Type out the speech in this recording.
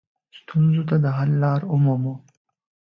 ستونزو ته حل لارې ومومو.